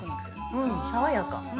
◆うん、爽やか。